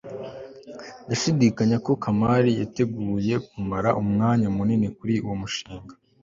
ndashidikanya ko kamali yateguye kumara umwanya munini kuri uwo mushinga